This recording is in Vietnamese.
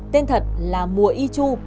tên thật là mùa y chu